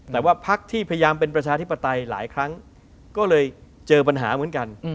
แต่ว่าพักที่พยายามเป็นประชาธิปไตยหลายครั้งก็เลยเจอปัญหาเหมือนกัน